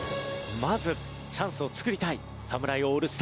まずチャンスを作りたい侍オールスター。